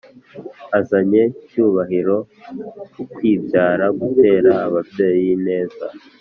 azanye cyubahiroukwibyara gutera ababyeyi ineza